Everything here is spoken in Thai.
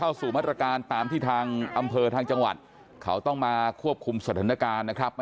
วันนี้ก็เลยถึงมีการมาประท้วง